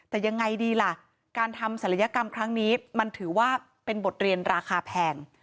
แต่ยังไงดีล่ะการทำศัลยกรรมครั้งนี้มันถือว่าเป็นบทเรียนราคาแพง